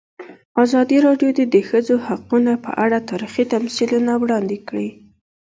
ازادي راډیو د د ښځو حقونه په اړه تاریخي تمثیلونه وړاندې کړي.